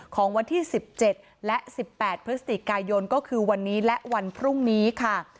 ของวันที่สิบเจ็ดและสิบแปดเพื่อสติกกายนก็คือวันนี้และวันพรุ่งนี้ค่ะ